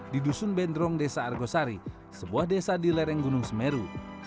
di dusun bendrong desa argosari sebuah desa di lereng gunung semeru